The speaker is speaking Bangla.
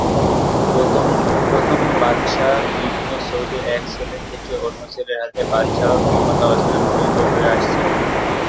প্রথম বাদশাহ ইবনে সৌদের এক ছেলে থেকে অন্য ছেলের হাতে বাদশাহর ক্ষমতা হস্তান্তরিত হয়ে আসছে।